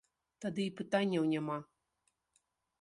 Тады і пытанняў няма.